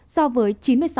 so với chín mươi sáu tám